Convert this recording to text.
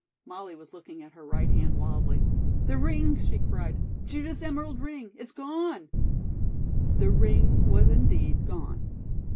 Molly was looking at her right hand wildly. "The ring!" she cried. "Judith's emerald ring it's gone!" The ring was indeed gone.